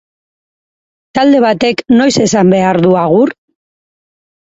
Talde batek noiz esan behar du agur?